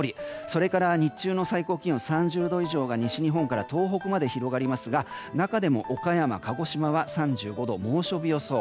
それから日中の最高気温３０度以上が西日本から東北まで広がりますが中でも岡山、鹿児島は３５度猛暑日予想